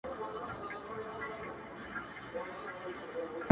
شکر چي هغه يمه شکر دی چي دی نه يمه,